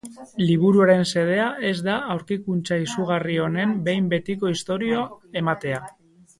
Liburuaren xedea ez da aurkikuntza izugarri honen behin betiko historia ematea.